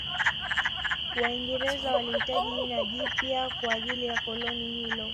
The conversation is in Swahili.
Waingereza walihitaji jina jipya kwa ajili ya koloni hilo